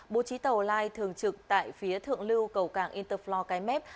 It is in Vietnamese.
bố trí tàu lai thường trực tại phía thượng lưu cầu cảng interfloor cái mép